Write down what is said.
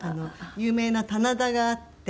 有名な棚田があって。